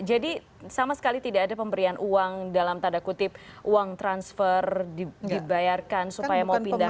jadi sama sekali tidak ada pemberian uang dalam tanda kutip uang transfer dibayarkan supaya mau pindah ke